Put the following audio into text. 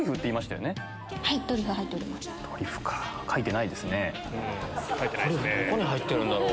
どこに入ってるんだろう？